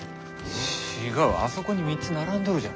違うあそこに３つ並んどるじゃろ。